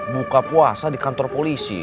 buka puasa di kantor polisi